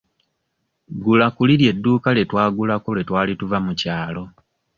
Gula ku liri edduuka lye twagulako lwe twali tuva mu kyalo.